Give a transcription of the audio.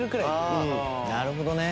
なるほどね。